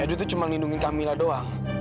ido itu cuman lindungi camilla doang